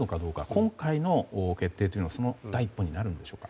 今回の決定はその第一歩になるんでしょうか。